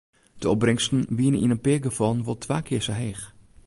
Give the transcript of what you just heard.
De opbringsten wiene yn in pear gefallen wol twa kear sa heech.